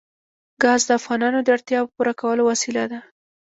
ګاز د افغانانو د اړتیاوو د پوره کولو وسیله ده.